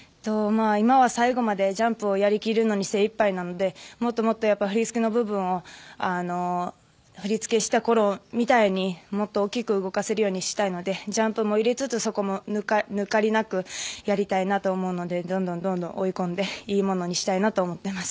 今は最後までジャンプをやりきるのに精いっぱいなのでもっと振り付けの部分を振り付けしたころみたいにもっと大きく動かせるようにしたいのでジャンプも入れつつそこも抜かりなくやりたいなと思うのでどんどん追い込んで良いものにしたいなと思っています。